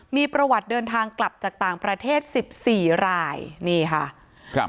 มีประวัติเดินทางกลับจากต่างประเทศสิบสี่รายนี่ค่ะครับ